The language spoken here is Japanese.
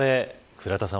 倉田さん